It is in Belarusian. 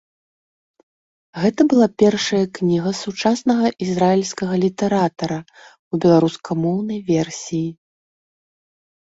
Гэта была першая кніга сучаснага ізраільскага літаратара ў беларускамоўнай версіі.